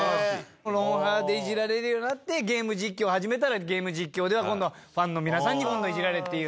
『ロンハー』でイジられるようになってゲーム実況を始めたらゲーム実況では今度はファンの皆さんに今度はイジられるっていう。